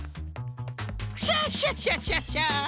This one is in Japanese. クシャシャシャシャシャ！